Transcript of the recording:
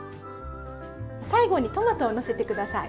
最後にトマトをのせて下さい。